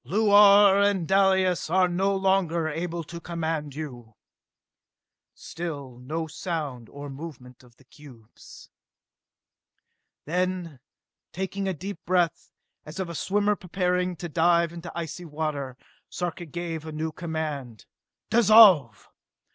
"Luar and Dalis are no longer able to command you!" Still no sound or movement of the cubes. Then, taking a deep breath, as of a swimmer preparing to dive into icy water, Sarka gave a new command. "Dissolve!